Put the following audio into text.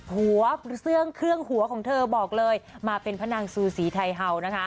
หัวเสื้องเครื่องหัวของเธอบอกเลยมาเป็นพระนางซูสีไทยเฮานะคะ